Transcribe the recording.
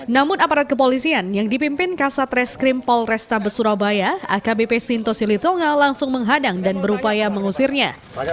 namun aparat kepolisian yang dipimpin kasatres krimpol resta besurabaya akbp sinto silitonga langsung menghadang dan berupaya mengusirnya